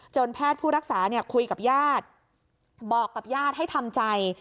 แพทย์ผู้รักษาคุยกับญาติบอกกับญาติให้ทำใจ